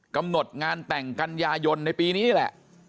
กำหนดงานแต่งกันยายนในปีนี้นี่แหละ